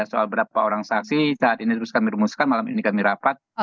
soal berapa orang saksi saat ini terus kami rumuskan malam ini kami rapat